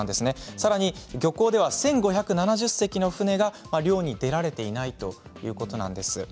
さらに漁港では１５７０隻の船が漁に出られていないということなんです。